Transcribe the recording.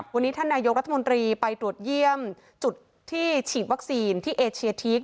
วันนี้ท่านนายกรัฐมนตรีไปตรวจเยี่ยมจุดที่ฉีดวัคซีนที่เอเชียทีก